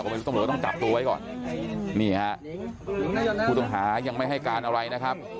หรือหรือต้องจับตัวไว้ก่อนนี่ครับผู้ต้องหายังไม่ให้การอะไรนะครับ